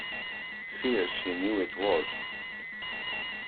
Fierce he knew it was.